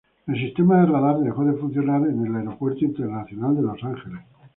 El sistema de radar dejó de funcionar en el Aeropuerto Internacional de Los Ángeles.